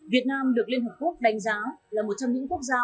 việt nam được liên hợp quốc đánh giá là một trong những quốc gia